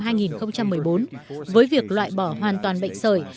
với việc loại bỏ hoàn toàn bệnh sởi châu mỹ đã trở thành một trong những trẻ em nhất trên thế giới